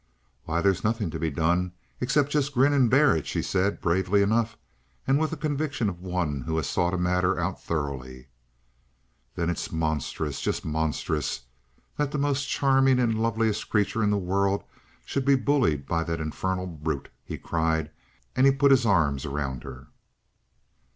"Why, there's nothing to be done, except just grin and bear it," she said bravely enough, and with the conviction of one who has thought a matter out thoroughly. "Then it's monstrous! Just monstrous, that the most charming and loveliest creature in the world should be bullied by that infernal brute!" he cried, and put his arm around her.